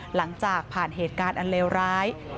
หลังจากผ่านเหตุการณ์อันเลวร้าย